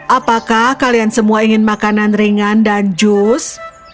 apakah kalian semua ingin makanan ringan dan jus